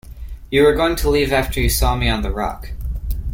You were going to leave after you saw me on the rock.